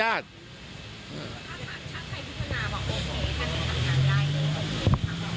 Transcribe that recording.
ถ้าใครพิเศษมาบอกโอเคก็ทำงานได้